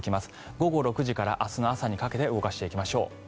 午後６時から明日の朝にかけて動かしていきましょう。